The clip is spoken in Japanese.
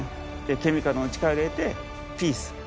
ケミカルの力を入れてピース！